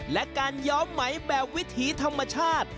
และการย้อมไหมแบบวิถีธรรมชาติ